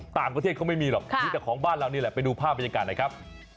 ต่างประเทศเขาไม่มีหรอกมีแต่ของบ้านเรานี่แหละไปดูภาพบรรยากาศหน่อยครับ